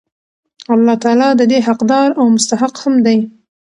الله تعالی د دي حقدار او مستحق هم دی